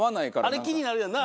あれ気になるやんな！